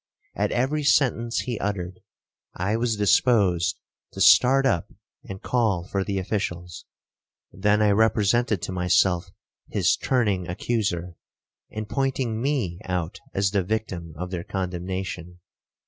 At every sentence he uttered, I was disposed to start up and call for the officials. Then I represented to myself his turning accuser, and pointing me out as the victim of their condemnation.